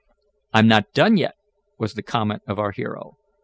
"I'm not done yet," was the comment of our hero.